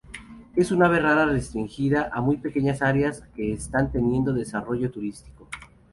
Es un ave rara restringida a muy pequeñas áreas que están teniendo desarrollo turístico.